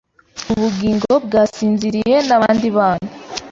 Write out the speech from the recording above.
Ubugingo bwasinziriye nabandi bana